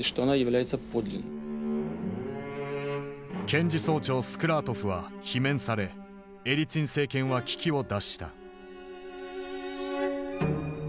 検事総長スクラートフは罷免されエリツィン政権は危機を脱した。